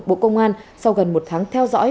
bộ công an sau gần một tháng theo dõi